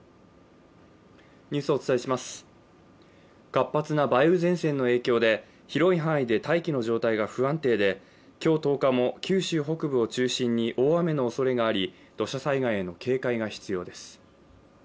活発な梅雨前線の影響で広い範囲で大気の状態が不安定で今日１０日も九州北部を中心に大雨のおそれがあり土砂災害への警戒が必要です。